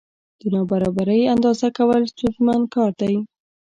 د نابرابرۍ اندازه کول ستونزمن کار دی.